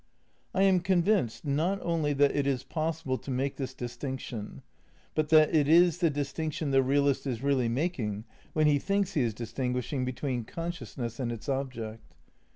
I am convinced, not only that it is possible to make this distinction, but that it is the distinction the realist is really making when he thinks he is distijiguishing between consciousness and its object.